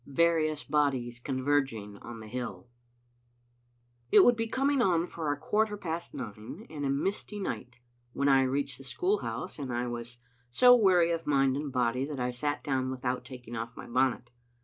VARIOUS BODIES CONVERGING ON THE HILL It would be coming on for a quarter past nine, and a misty night, when I reached the school house, and I was so weary of mind and body that I sat down without taking off my bonnet.